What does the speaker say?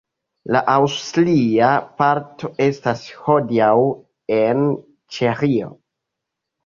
La aŭstria parto estas hodiaŭ en Ĉeĥio.